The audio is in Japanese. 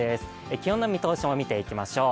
気温の見通しも見ていきましょう。